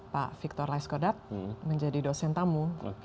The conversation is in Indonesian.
pak victor laiskodat menjadi dosen tamu